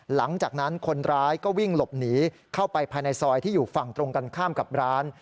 หลังจากนั้นคนร้ายก็วิ่งหลบหนีเข้าไปภายในซอยที่อยู่ฝั่งตรงกันข้ามกับร้าน